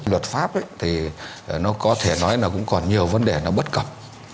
luật pháp thì nó có thể nói là cũng còn nhiều vấn đề nó bất cập